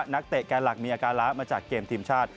นักเตะแกนหลักมีอาการละมาจากเกมทีมชาติ